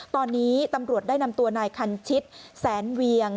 ตอนนี้ตำรวจได้นำตัวนายคันชิตแสนเวียง